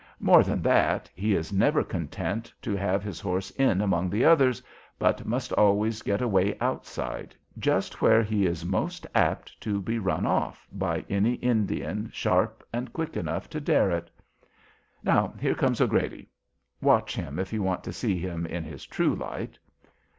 More than that, he is never content to have his horse in among the others, but must always get away outside, just where he is most apt to be run off by any Indian sharp and quick enough to dare it. Now, here comes O'Grady. Watch him, if you want to see him in his true light."